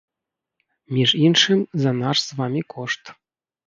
Між іншым, за наш з вамі кошт.